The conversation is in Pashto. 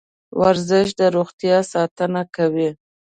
ورزش د روغتیا ساتنه کوي.